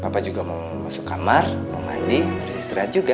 papa juga mau masuk kamar mau mandi mau istirahat juga